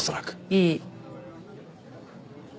いい。